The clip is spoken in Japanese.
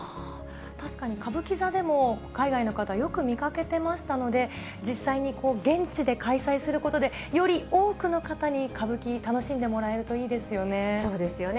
確かに歌舞伎座でも海外の方、よく見かけてましたので、実際に現地で開催することで、より多くの方に歌舞伎、そうですよね。